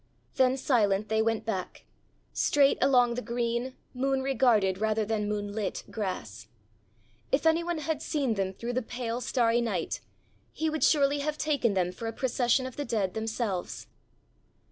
Then silent they went back, straight along the green, moon regarded rather than moon lit grass: if any one had seen them through the pale starry night, he would surely have taken them for a procession of the dead themselves!